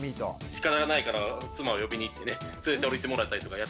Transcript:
しかたがないから妻を呼びに行ってね連れておりてもらったりとかやってますね。